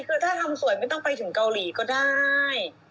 คือถ้าทำสวยไม่ต้องไปถึงเกาหลีก็ได้